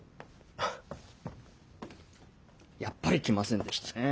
やっぱり来ませんでしたね。